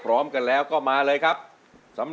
ร้องได้ร้องได้ร้องได้